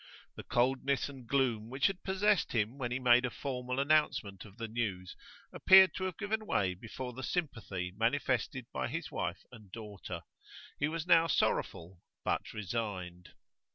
The coldness and gloom which had possessed him when he made a formal announcement of the news appeared to have given way before the sympathy manifested by his wife and daughter; he was now sorrowful, but resigned.